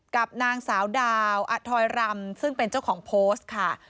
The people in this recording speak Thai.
กับนางสาวดาวอทอยรำซึ่งเป็นเจ้าของโพสต์ค่ะ